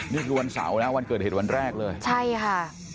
นี่คือวันเสาร์นะวันเกิดเหตุวันแรกเลยใช่ค่ะ